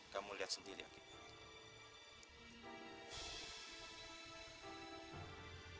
kamu lihat sendiri akibat